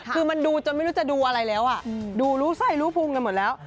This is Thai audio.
คือมันดูจนไม่รู้จะดูอะไรแล้วดูรู้ไส้รู้ภูมิกันหมดแล้ว